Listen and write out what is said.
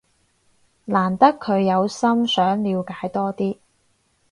難得佢有心想了解多啲